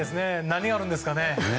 何があるんですかね。